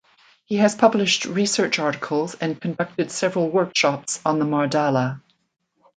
He has published research articles and conducted several workshops on the Mardala.